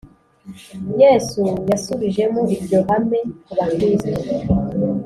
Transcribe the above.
Yesu yashubijeho iryo hame ku Bakristo